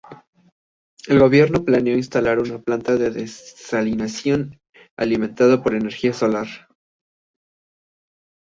El gobierno planeó instalar una planta de desalinización alimentada por energía solar.